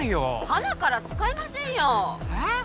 はなから使えませんよへっ？